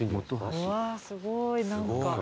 うわすごい何か。